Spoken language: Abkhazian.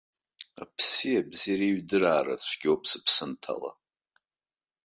Аԥси абзеи реиҩдыраара цәгьоуп, сыԥсы анҭала.